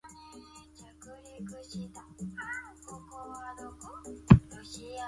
計畫持續推進中